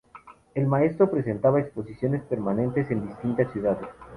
El maestro presentaba exposiciones permanentes en distintas ciudades.